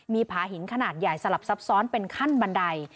มีผาหินขนาดใหญ่สลับซับซ้อนเป็นขั้นบันได